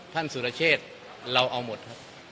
สุรเชษเราเอาหมดครับ